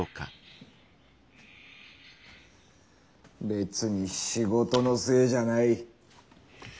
別に仕事のせいじゃない。